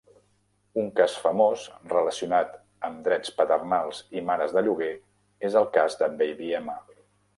Un cas famós relacionat amb drets paternals i mares de lloguer és el cas de Baby M.